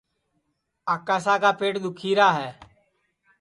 آکاشا کا پیٹ دُؔکھیرا ہے